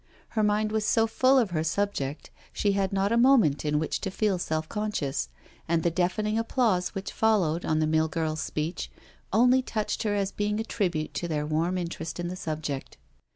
Her mind was so full of her subject, she had not a moment in which to feel self conscious, and the deafen ing applause which followed on the mill girl's speech, only touched her as being a tribute to their warm interest in the subject.